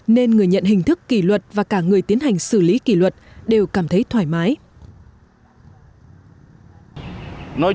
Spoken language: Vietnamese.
nên người nhận hình thức kỷ luật và cả người tiến hành xử lý kỷ luật đều cảm thấy thoải mái